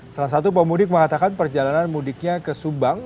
salah satu pemudik mengatakan perjalanan mudiknya ke subang